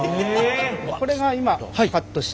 これが今カットした。